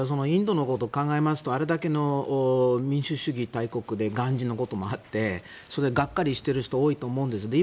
インドのことを考えますとあれだけの民主主義大国でガンジーのこともあってがっかりしている人が多いと思うんです。